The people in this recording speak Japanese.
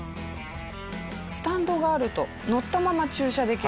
スタンドがあると乗ったまま駐車できる。